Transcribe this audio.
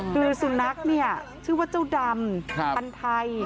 คือสุนัขเนี่ยชื่อว่าเจ้าดำพันธุ์ไทย